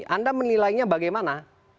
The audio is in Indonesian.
anda menilainya bagaimana